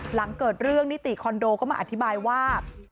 หลังเกิดเรื่องนิติคอนโดก็มาอธิบายว่า